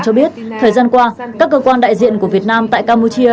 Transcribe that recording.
cho biết thời gian qua các cơ quan đại diện của việt nam tại campuchia